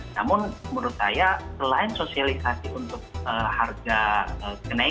namun menurut saya selain sosialisasi untuk harga kenaikan